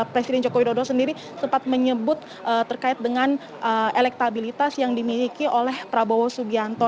presiden joko widodo sendiri sempat menyebut terkait dengan elektabilitas yang dimiliki oleh prabowo sugianto